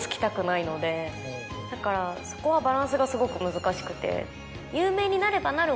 だからそこはバランスがすごく難しくて。